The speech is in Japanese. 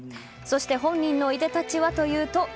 そして本人のいでたちはというと